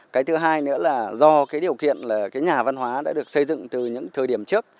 cái thứ hai nữa là do cái điều kiện là cái nhà văn hóa đã được xây dựng từ những thời điểm trước